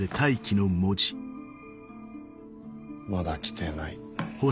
まだ来てない。